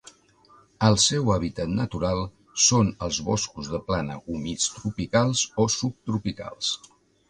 El seu hàbitat natural són els boscos de plana humits tropicals o subtropicals.